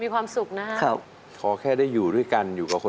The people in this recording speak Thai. มีความสุขน่าครับ